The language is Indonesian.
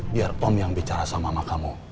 biar om yang bicara sama mama kamu